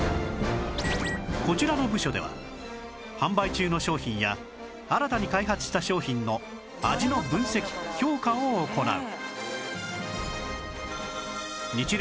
こちらの部署では販売中の商品や新たに開発した商品の味の分析・評価を行う